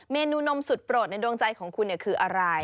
เมนูนมสุดโปรดในดวงใจของคุณคืออะไร